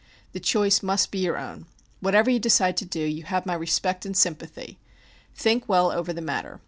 The choice must be your own. Whatever you decide to do, you have my respect and sympathy. Think well over the matter.